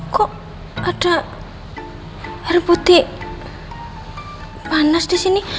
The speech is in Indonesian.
kok ada air putih panas di sini